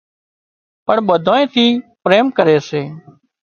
پڻ ٻڌانئين ٿي پريم ڪري سي